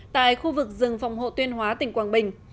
tại khu vực rừng phòng hộ tuyên hóa tỉnh quảng bình